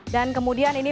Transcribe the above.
dan kemudian ini